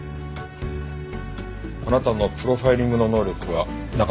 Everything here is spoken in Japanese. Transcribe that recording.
あなたのプロファイリングの能力はなかなかのものですね。